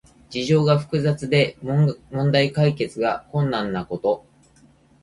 事情が複雑で問題解決が困難なこと。